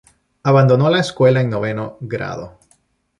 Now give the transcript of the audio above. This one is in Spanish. Abandonó la escuela en noveno grado.